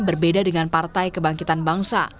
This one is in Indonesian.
berbeda dengan partai kebangkitan bangsa